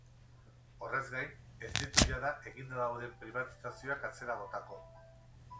Horrez gain, ez ditu jada eginda dauden pribatizazioak atzera botako.